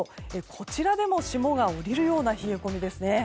こちらでも霜が降りるような冷え込みですね。